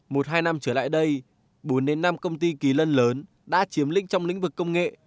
một hai năm trở lại đây bốn năm công ty kỳ lân lớn đã chiếm linh trong lĩnh vực công nghệ